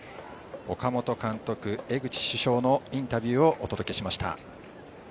岡本監督、江口主将のインタビューをお届けしました。